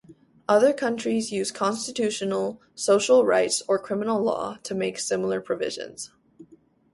Other countries use constitutional, social rights or criminal law to make similar provisions.